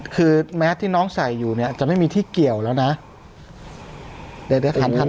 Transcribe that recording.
คือแมสที่น้องใส่อยู่เนี่ยจะไม่มีที่เกี่ยวแล้วนะเดี๋ยวจะทำทัน